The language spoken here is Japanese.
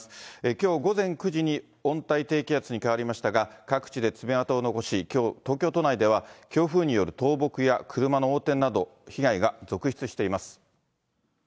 きょう午前９時に温帯低気圧に変わりましたが、各地で爪痕を残し、きょう東京都内では、強風による倒木や車の横転など、被害が続出しています。